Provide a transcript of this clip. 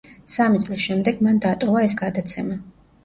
სამი წლის შემდეგ მან დატოვა ეს გადაცემა.